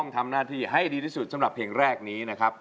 ทำหน้าที่ให้ดีที่สุดสำหรับเพลงแรกนี้นะครับ